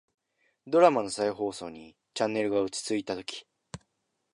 ドラマの再放送にチャンネルが落ち着いたとき、